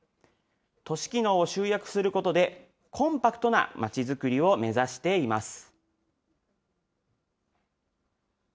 都市機能を集約することで、コンパクトなまちづくりを目指しています。